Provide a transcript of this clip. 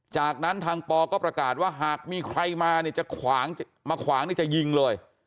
จากนั้นทางปก็ประกาศว่าหากมีใครมาเนี่ยจะขวางมาขวางจะยิงเลย